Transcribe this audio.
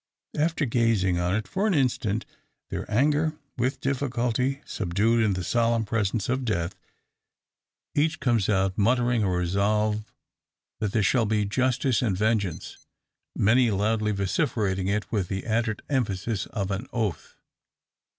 After gazing on it for an instant, their anger with difficulty subdued in the solemn presence of death, each comes out muttering a resolve there shall be both justice and vengeance, many loudly vociferating it with the added emphasis of an oath.